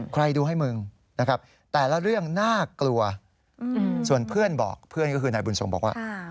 ใครดูให้มึงนะครับแต่ละเรื่องน่ากลัวส่วนเพื่อนบอกเพื่อนก็คือนายบุญทรงบอกว่า